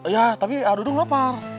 ya tapi aduh dong lapar